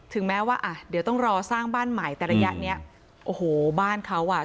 แม้ว่าอ่ะเดี๋ยวต้องรอสร้างบ้านใหม่แต่ระยะเนี้ยโอ้โหบ้านเขาอ่ะ